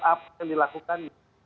terhadap apa yang dilakukan